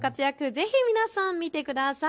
ぜひ皆さん見てください。